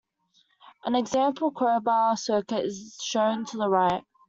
An example crowbar circuit is shown to the right.